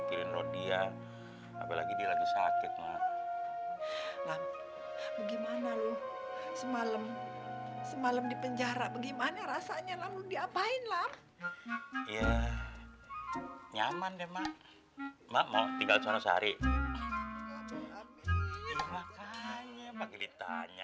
kuatkan ya allah kuatkan hati rung